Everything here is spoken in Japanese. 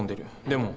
でも。